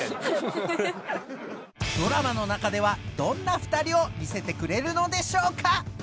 ドラマの中ではどんな２人を見せてくれるのでしょうか？